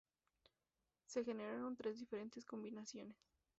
Se generaron tres diferentes combinaciones.